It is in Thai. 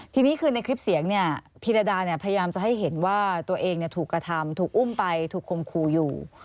ทีนี้คือในคลิปเสียงเนี่ยพิรดาพยายามจะให้เห็นว่าตัวเองถูกกระทำถูกอุ้มไปถูกคมครูอยู่